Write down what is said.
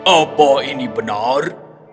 apa ini benar